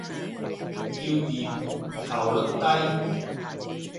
要電，效率低。